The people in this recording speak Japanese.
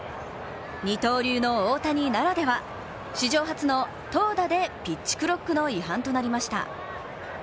二刀流の大谷ならでは、史上初の投打でピッチクロックの違反となりました。